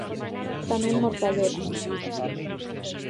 Tamén mortadela.